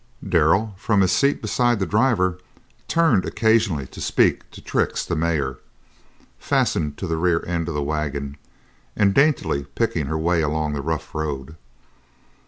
Darrell, from his seat beside the driver, turned occasionally to speak to Trix, the mare, fastened to the rear end of the wagon and daintily picking her way along the rough road.